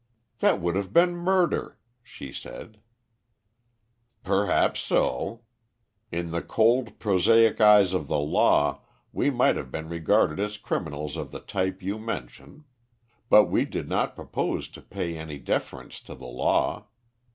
"That would have been murder," she said. "Perhaps so. In the cold, prosaic eyes of the law we might have been regarded as criminals of the type you mention; but we did not propose to pay any deference to the law.